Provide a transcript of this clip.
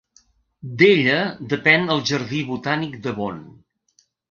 D'ella depèn el Jardí Botànic de Bonn.